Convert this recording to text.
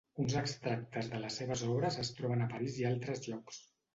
Uns extractes de les seves obres es troben a Paris i a altres llocs.